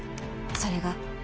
それが。